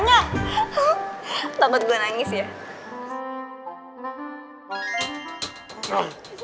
kalo mengemoapa lo